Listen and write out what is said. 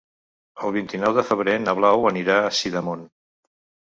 El vint-i-nou de febrer na Blau anirà a Sidamon.